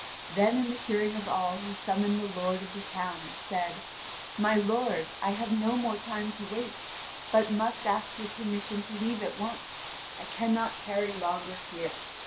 Then in the hearing of all he summoned the lord of the town and said: "My lord, I have no more time to wait, but must ask your permission to leave at once; I cannot tarry longer here.